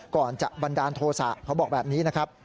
ก่อนจะบันดาลโทษะเขาบอกแบบนี้นะครับ